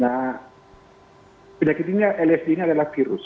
nah penyakit ini lsd ini adalah virus